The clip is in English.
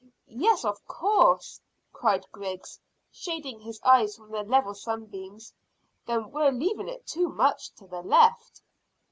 "Yes; of course," cried Chris, shading his eyes from the level sunbeams. "Then we're leaving it too much to the left."